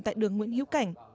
tại đường nguyễn hiếu cảnh